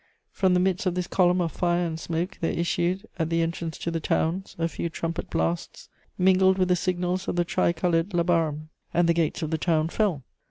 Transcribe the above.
From the midst of this column of fire and smoke, there issued, at the entrance to the towns, a few trumpet blasts mingled with the signals of the tricoloured labarum: and the gates of the town fell.